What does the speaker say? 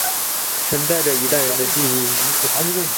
承载着一代人的记忆